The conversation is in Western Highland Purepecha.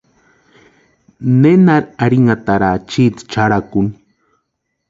Nenari arhinhataraa chiti charhakuni.